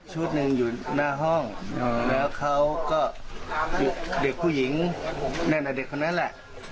หนึ่งอยู่หน้าห้องแล้วเขาก็เด็กผู้หญิงนั่นน่ะเด็กคนนั้นแหละ